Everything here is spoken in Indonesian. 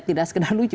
tidak sekedar lucu